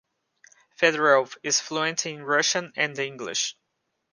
Fedorov is fluent in Russian and English.